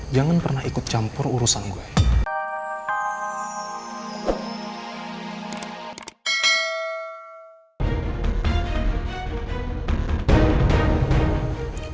jangan pernah ikut campur urusan gue